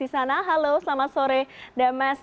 ada putri demes di sana halo selamat sore demes